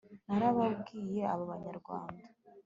narababwiye aba banyarwanda